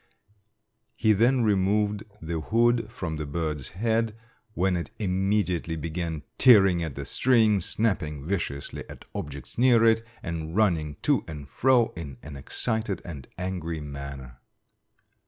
He then removed the hood from the bird's head, when it immediately began tearing at the string, snapping viciously at objects near it, and running to and fro in an excited and angry manner.